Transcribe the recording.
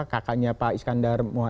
kakaknya pak iskandar